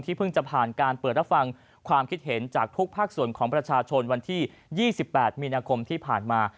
เพิ่งจะผ่านการเปิดรับฟังความคิดเห็นจากทุกภาคส่วนของประชาชนวันที่๒๘มีนาคมที่ผ่านมา